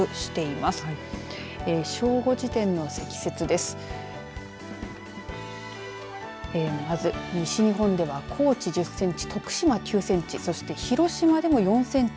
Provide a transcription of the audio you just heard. まず、西日本では高知１０センチ徳島９センチそして、広島でも４センチ。